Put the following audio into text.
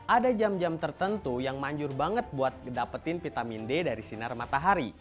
ada jam jam tertentu yang manjur banget buat dapetin vitamin d dari sinar matahari